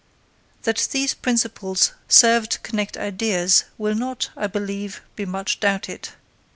That these principles serve to connect ideas will not, I believe, be much doubted.